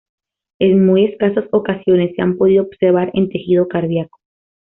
En muy escasas ocasiones se han podido observar en tejido cardíaco.